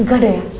gak ada ya